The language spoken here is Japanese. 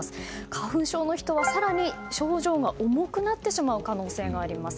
花粉症の人は更に症状が重くなってしまう可能性があります。